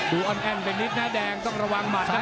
อ้อนแอ้นไปนิดนะแดงต้องระวังหมัดนะ